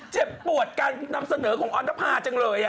เจ็บปวดการนำเสนอของออนทภาจังเลย